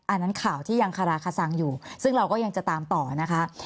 อันนั้นข่าวที่ยังคาราคาซังอยู่ซึ่งเราก็ยังจะตามต่อนะคะ